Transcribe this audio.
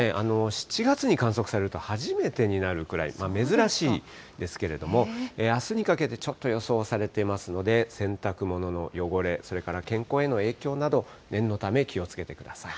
７月に観測されると初めてになるくらい、珍しいんですけれども、あすにかけてちょっと予想されていますので、洗濯物の汚れ、それから健康への影響など、念のため気をつけてください。